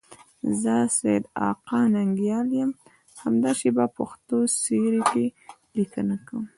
زه سیدآقا ننگیال یم، همدا شیبه په پښتو سیرې کې لیکنه کوم.